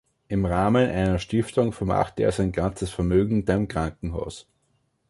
Im Rahmen einer Stiftung vermachte er sein ganzes Vermögen dem Krankenhaus.